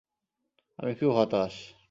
আমি খুব হতাশ!